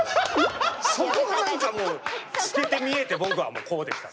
そこが何かもう透けて見えて僕はこうでした。